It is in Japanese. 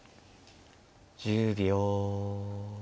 １０秒。